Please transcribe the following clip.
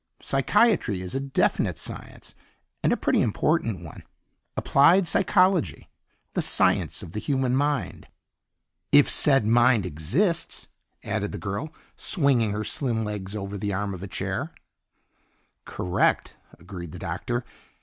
"Psychiatry is a definite science, and a pretty important one. Applied psychology, the science of the human mind." "If said mind exists," added the girl, swinging her slim legs over the arm of a chair. "Correct," agreed the Doctor.